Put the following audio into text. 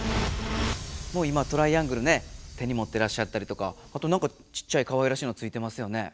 もう今トライアングルね手にもってらっしゃったりとかあとなんかちっちゃいかわいらしいのついてますよね。